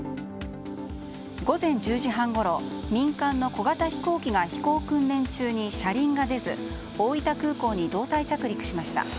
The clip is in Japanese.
午前１０時半ごろ民間の小型飛行機が飛行訓練中に車輪が出ず大分空港に胴体着陸しました。